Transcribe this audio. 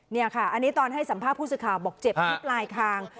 เนี่ยค่ะอันนี้ตอนให้สัมภาพผู้สึกข่าวบอกเจ็บทุกลายคาง